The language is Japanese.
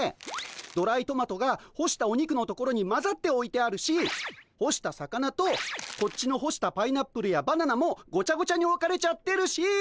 ドライトマトが干したお肉のところにまざっておいてあるし干した魚とこっちの干したパイナップルやバナナもごちゃごちゃにおかれちゃってるし。